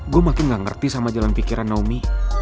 gue makin gak ngerti sama jalan pikiran naomi